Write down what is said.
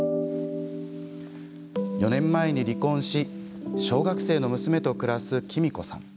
４年前に離婚し小学生の娘と暮らす、きみこさん。